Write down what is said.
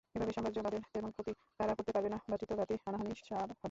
এভাবে সাম্রাজ্যবাদের তেমন ক্ষতি তারা করতে পারবে না, ভ্রাতৃঘাতী হানাহানিই সার হবে।